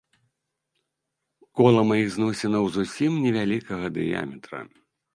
Кола маіх зносінаў зусім невялікага дыяметра.